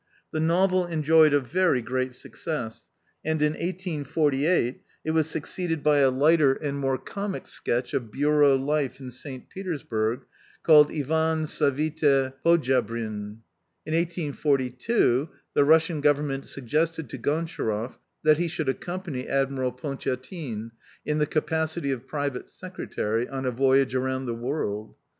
The novel enjoyed a very great success, and, in 1848, it was succeeded by a lighter and more comic sketch of bureau life in St. Petersburg, called Ivan Savite Poddja \, brin. In 1852, the Russian Government suggested to Gontcharoff that he should accompany Admiral Pontiatine, in the capacity of private secretary, on a voyage around the world.